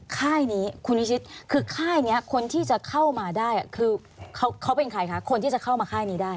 ค่ายนี้คุณวิชิตคือค่ายนี้คนที่จะเข้ามาได้คือเขาเป็นใครคะคนที่จะเข้ามาค่ายนี้ได้